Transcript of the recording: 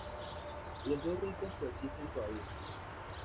Los dos ritos coexisten todavía.